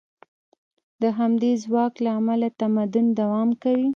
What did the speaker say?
د همدې ځواک له امله تمدن دوام کوي.